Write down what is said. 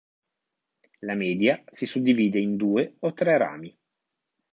La media si suddivide in due o tre rami.